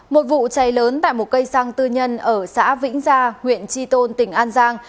một vụ cháy lớn tại một cây xăng tư nhân ở xã vĩnh gia huyện tri tôn tỉnh an giang